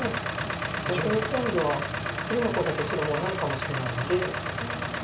逆に今度は次のコウ立て白もうないかもしれないので。